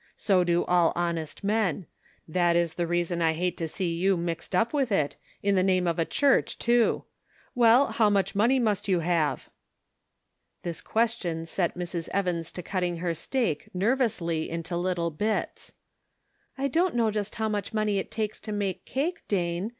So do all honest men; that is the reason I hate to see you mixed up with it, in the name of a church, tooJ Well, how much money must you have ?" This question set Mrs. Evans' to cutting her steak, nervously, into little bits. "I don't know just how much money it takes to make cake, Dane.